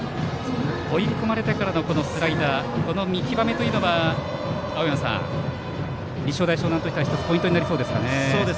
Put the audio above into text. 追い込まれてからのスライダーこの見極めというのは青山さん、立正大淞南としては１つ、ポイントになりそうですね。